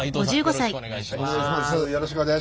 よろしくお願いします。